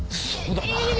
そうだな！